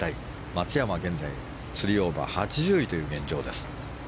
松山は現在３オーバー８０位という状況です。